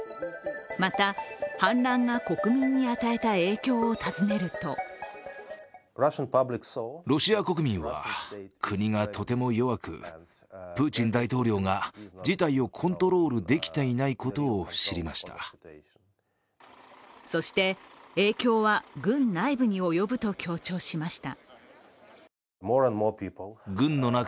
また反乱が、国民に与えた影響を尋ねるとそして影響は軍内部に及ぶと強調しました。